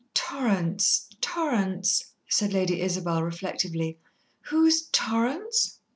"Torrance Torrance?" said Lady Isabel reflectively. "Who's Torrance?"